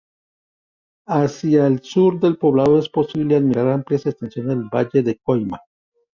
Hacia el sur del poblado es posible admirar amplias extensiones del Valle de Colima.